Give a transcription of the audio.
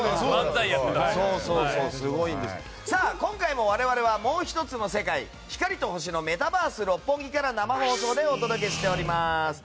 今回も我々はもう１つの世界光と星のメタバース六本木から生放送でお届けしております。